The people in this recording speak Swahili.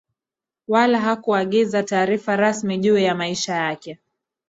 wala hakuagiza taarifa rasmi juu ya maisha yake